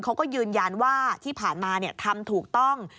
เขาก็ยืนยันว่าที่ผ่านมาทำถูกต้อง